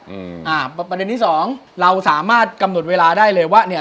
อืมอ่าประเด็นที่สองเราสามารถกำหนดเวลาได้เลยว่าเนี้ย